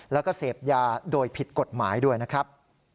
แล้วก็เสพยาโดยผิดกฎหมายด้วยนะครับ